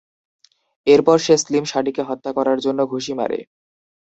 এরপর সে স্লিম শাডিকে "হত্যা" করার জন্য ঘুষি মারে।